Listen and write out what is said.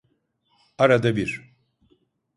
Arada bir.